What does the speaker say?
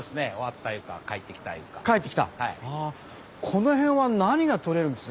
この辺は何が取れるんです？